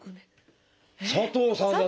「佐藤さん」だった！